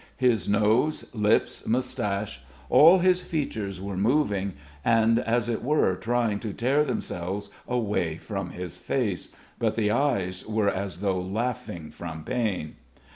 His nose, lips, moustache, all his features were moving and as it were trying to tear themselves away from his face, but the eyes were as though laughing from pain.